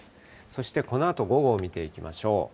そしてこのあと午後を見ていきましょう。